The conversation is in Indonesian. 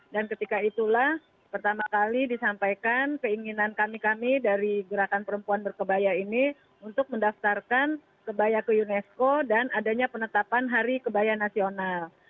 dan ketika itulah pertama kali disampaikan keinginan kami kami dari gerakan perempuan berkebaya ini untuk mendaftarkan kebaya ke unesco dan adanya penetapan hari kebaya nasional